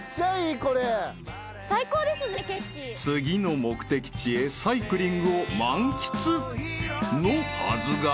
［次の目的地へサイクリングを満喫のはずが］